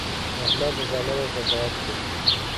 احمد له زامنو شکایت کوي.